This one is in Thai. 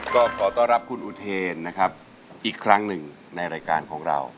ก็ขอต้อนรับคุณอุเทนนะครับอีกครั้งหนึ่งในรายการของเรา